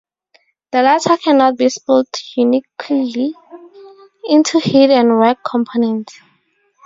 The latter cannot be split uniquely into heat and work components.